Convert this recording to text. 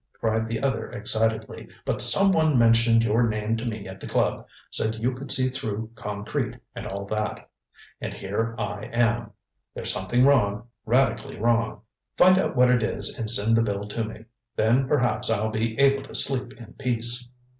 ŌĆØ cried the other excitedly, ŌĆ£but someone mentioned your name to me at the club said you could see through concrete, and all that and here I am. There's something wrong, radically wrong. Find out what it is and send the bill to me. Then perhaps I'll be able to sleep in peace.